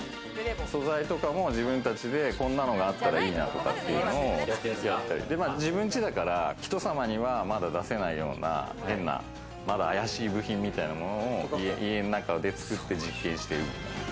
素材とかも自分たちでこんなのがあったらいいなとかというのを使ったり、自分ちだから人様にはまだ出せないような変なまだ怪しい部品なのみたいなのも家の中で作って実験している。